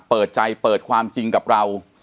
เปิดใจเปิดความจริงกับเรา